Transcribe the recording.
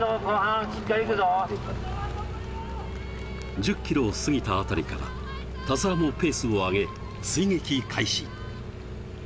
１０ｋｍを過ぎたあたりから田澤もペースを上げ追撃開始。